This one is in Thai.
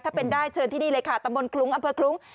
ถ้าเป็นได้เชิญที่นี่เลยค่ะตำบลคลุ้งอำเภอคลุ้ง